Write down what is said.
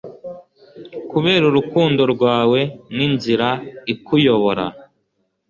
kubera urukundo rwawe ninzira ikuyobora